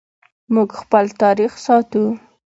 موږ خپل تاریخ ساتو